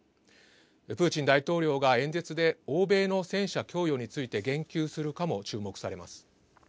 プーチン大統領が演説で欧米の戦車供与について言及するかも注目されます。